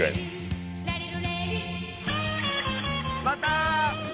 また。